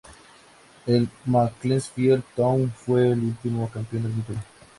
El Macclesfield Town fue el último campeón del título.